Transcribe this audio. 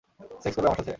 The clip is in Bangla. সেক্স করবে আমার সাথে?